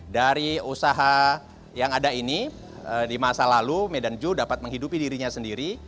dari usaha yang ada ini di masa lalu medan joe dapat menghidupi dirinya sendiri